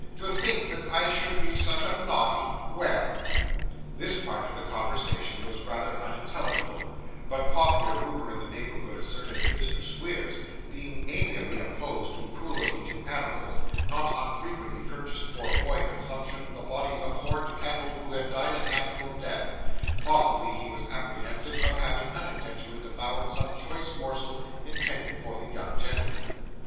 'To think that I should be such a noddy! Well!' This part of the conversation was rather unintelligible; but popular rumour in the neighbourhood asserted that Mr. Squeers, being amiably opposed to cruelty to animals, not unfrequently purchased for boy consumption the bodies of horned cattle who had died a natural death; possibly he was apprehensive of having unintentionally devoured some choice morsel intended for the young gentlemen.